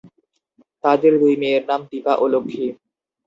তাদের দুই মেয়ের নাম দীপা ও লক্ষ্মী।